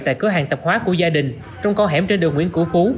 tại cửa hàng tập hóa của gia đình trong con hẻm trên đường nguyễn cửu phú